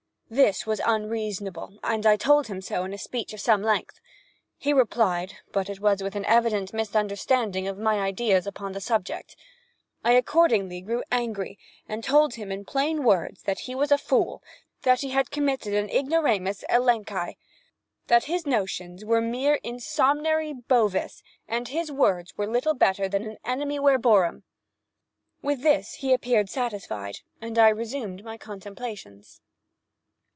This was unreasonable, and I told him so in a speech of some length. He replied, but with an evident misunderstanding of my ideas upon the subject. I accordingly grew angry, and told him in plain words, that he was a fool, that he had committed an ignoramus e clench eye, that his notions were mere insommary Bovis, and his words little better than an ennemywerrybor'em. With this he appeared satisfied, and I resumed my contemplations.